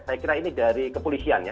saya kira ini dari kepolisian ya